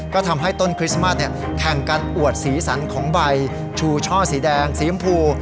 ก็ทำให้ต้นคริสต์มัสแข่งกันอวดสีสันของใบชูช่อสีแดงสีชมพู